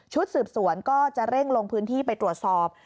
สืบสวนก็จะเร่งลงพื้นที่ไปตรวจสอบ